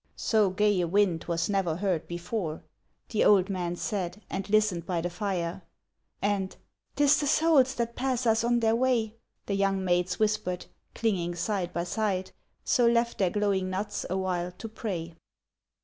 * So gay a wind was never heard before,' The old man said, and listened by the fire ; And, ' 'Tis the souls that pass us on their way,' The young maids whispered, clinging side by side, So left their glowing nuts a while to pray.